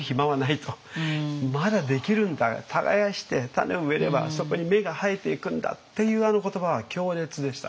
そうだ耕して種を植えればそこに芽が生えていくんだっていうあの言葉は強烈でしたね。